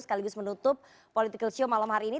sekaligus menutup political show malam hari ini